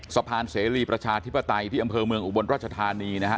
เสรีประชาธิปไตยที่อำเภอเมืองอุบลราชธานีนะฮะ